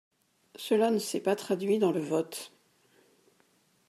Cela ne s’est pas traduit dans le vote.